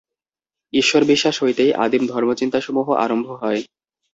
ঈশ্বরবিশ্বাস হইতেই আদিম ধর্মচিন্তাসমূহ আরম্ভ হয়।